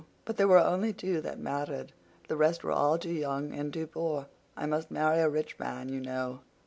But there were only two that mattered. The rest were all too young and too poor. I must marry a rich man, you know."